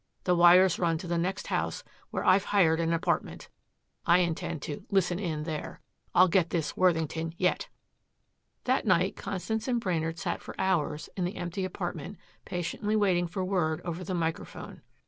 The wires run to the next house where I've hired an apartment. I intend to 'listen in' there. I'll get this Worthington yet!" That night Constance and Brainard sat for hours in the empty apartment patiently waiting for word over the microphone.